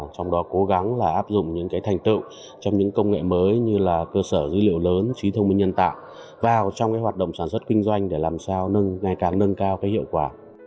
trong đó cố gắng là áp dụng những thành tựu trong những công nghệ mới như là cơ sở dữ liệu lớn trí thông minh nhân tạo vào trong hoạt động sản xuất kinh doanh để làm sao ngày càng nâng cao hiệu quả